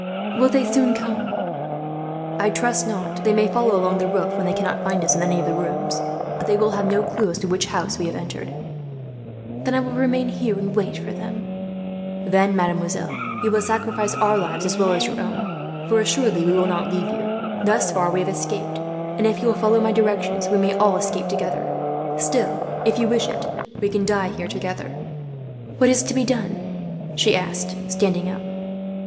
Will they soon come?" "I trust not," Philip said. "They may follow along the roof, when they cannot find us in any of the rooms; but they will have no clue as to which house we have entered." "I will remain here and wait for them," she said. "Then, mademoiselle, you will sacrifice our lives, as well as your own; for assuredly we shall not leave you. Thus far we have escaped and, if you will follow my directions, we may all escape together. Still, if you wish it, we can die here together." "What is to be done?" she asked, standing up.